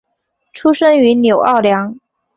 出生于纽奥良。